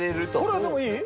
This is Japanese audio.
これはでもいい？